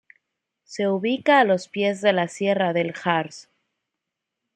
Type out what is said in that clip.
Se ubica a los pies de la sierra del Harz.